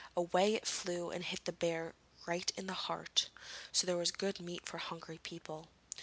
Away it flew and hit the bear right in the heart; so there was good meat for hungry people.